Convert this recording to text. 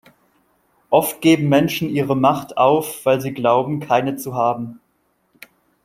Oft geben Menschen ihre Macht auf, weil sie glauben, keine zu haben.